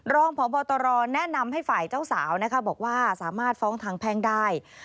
รองพบตรแนะนำให้ฝ่ายเจ้าสาวนะคะบอกว่าสามารถฟ้องทางแพ่งได้